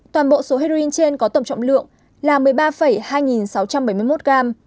toàn bộ số heroin trên có tổng trọng lượng là một mươi ba hai sáu trăm bảy mươi một gram